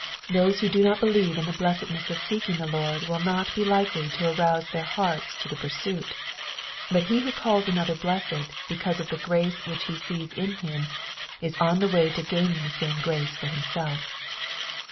Those who do not believe in the blessedness of seeking the Lord will not be likely to arouse their hearts to the pursuit, but he who calls another blessed because of the grace which he sees in him is on the way to gaining the same grace for himself.